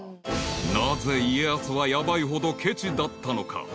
［なぜ家康はヤバいほどケチだったのか？］